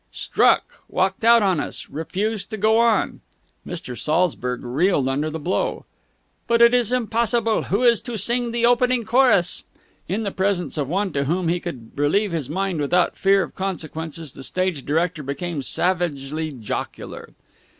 "Struck! Walked out on us! Refused to go on!" Mr. Saltzburg reeled under the blow. "But it is impossible! Who is to sing the opening chorus?" In the presence of one to whom he could relieve his mind without fear of consequences, the stage director became savagely jocular.